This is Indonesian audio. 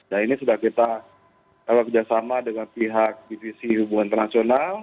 nah ini sudah kita kerjasama dengan pihak divisi hubungan internasional